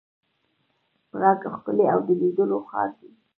پراګ ښکلی او د لیدلو ښار دی.